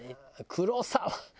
黒沢。